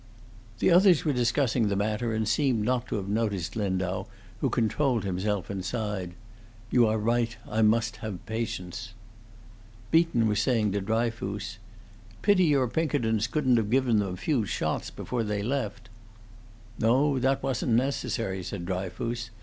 The others were discussing the matter, and seemed not to have noticed Lindau, who controlled himself and sighed: "You are right. I must have patience." Beaton was saying to Dryfoos, "Pity your Pinkertons couldn't have given them a few shots before they left." "No, that wasn't necessary," said Dryfoos.